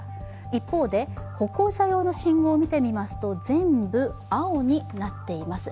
一方で、歩行者用の信号を見てみますと、全部青になっています。